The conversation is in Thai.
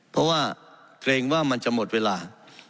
เพราะว่าเกรงว่ามันจะหมดเวลา